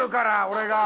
俺が。